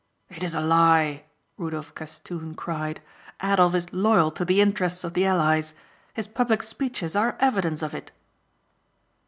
"It is a lie," Rudolph Castoon cried. "Adolf is loyal to the interests of the Allies. His public speeches are evidence of it."